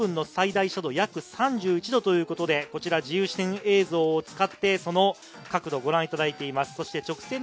平塚競輪場はコーナー部分の最大斜度、約３１度ということで、こちら自由視点映像を使って、その角度をご覧いただいています。